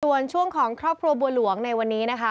ส่วนช่วงของครอบครัวบัวหลวงในวันนี้นะคะ